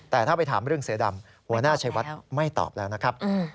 แต่ถ้าไปถามเรื่องเสือดำหัวหน้าชัยวัดไม่ตอบแล้วนะครับ